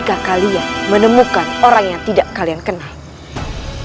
kami ingin kalian menemukan orang yang tidak kalian kenal kalian harus segera mencari